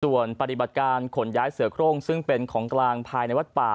ส่วนปฏิบัติการขนย้ายเสือโครงซึ่งเป็นของกลางภายในวัดป่า